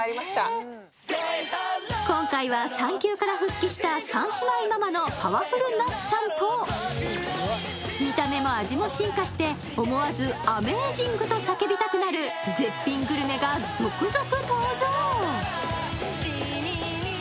今回は、産休から復帰した三姉妹ママのパワフルなっちゃんと見た目も味も進化して、思わずＡｍａｚｉｎｇ！！と叫びたくなる絶品グルメが続々登場。